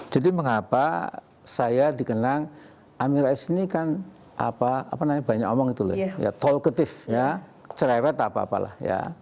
jadi mengapa saya dikenang amin rais ini kan banyak omong itu tolketif cerewet apa apalah